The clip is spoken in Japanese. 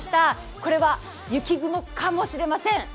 これは雪雲かもしれません。